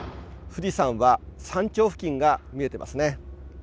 富士山は山頂付近が見えてますね。